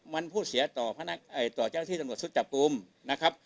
มันพูดเสียต่อเจ้าหน้าที่จับกลุ่มนะครับ